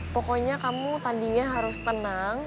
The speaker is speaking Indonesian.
pokoknya kamu tadinya harus tenang